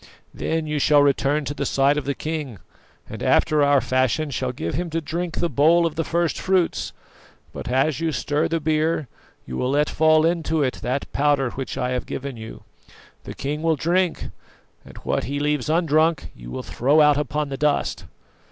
Then you shall return to the side of the king, and after our fashion shall give him to drink the bowl of the first fruits; but as you stir the beer, you will let fall into it that powder which I have given you. The king will drink, and what he leaves undrunk you will throw out upon the dust.